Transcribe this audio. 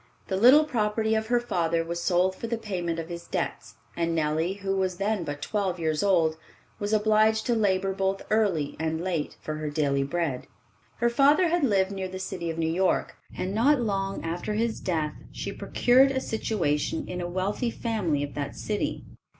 The little property of her father was sold for the payment of his debts, and Nellie, who was then but twelve years old, was obliged to labor both early and late for her daily bread. Her father had lived near the city of New York, and not long after his death she procured a situation in a wealthy family of that city.